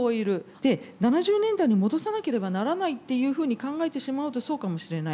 で７０年代に戻さなければならないっていうふうに考えてしまうとそうかもしれない。